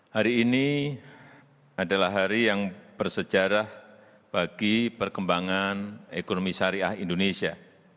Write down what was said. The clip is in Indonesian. hari ini adalah hari yang bersejarah bagi perkembangan ekonomi syariah indonesia